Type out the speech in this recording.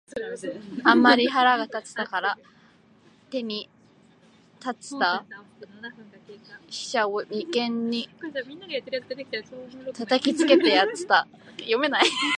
あんまり腹が立つたから、手に在つた飛車を眉間へ擲きつけてやつた。